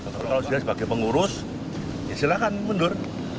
kalau sudah sebagai pengurus silakan mundur